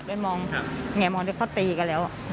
ช่างอะก็แงะไปมองเนี่ยมองจิ้นเผาตีกันแล้ว